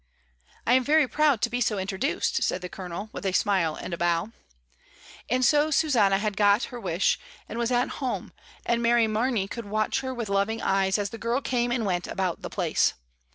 "I am very proud to be so introduced," said the Colonel, with a smile and a bow. And so Susanna had got her wish, and was at home, and Mary Mamey could watch her with lov ing eyes as the girl came and went about the place.